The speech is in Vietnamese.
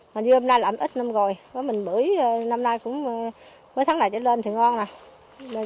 mà dưa hôm nay làm ít năm rồi mình bưởi năm nay cũng mới tháng này trở lên thì ngon nè